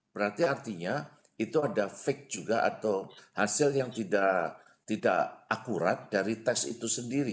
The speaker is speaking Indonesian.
berarti artinya itu ada fake juga atau hasil yang tidak akurat dari tes itu sendiri